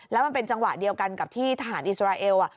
แล้วมันเป็นจังหวะเดียวกันกับที่ทหารอิสราเอล